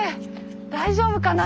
大丈夫かな？